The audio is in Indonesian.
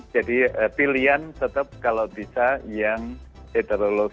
jadi pilihan tetap kalau bisa yang heterolog